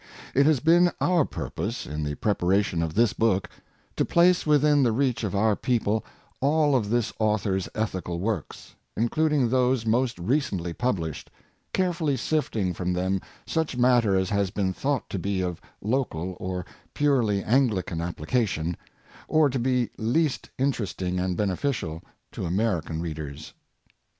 It has been our purpose, in the preparation of this book, to place within the reach of our people all of this author's ethical works, in cluding those most recently published, carefully sifting from them such matter as has been thought to be of local or purely Anglican application, or to be least interesting and beneficial to American readers.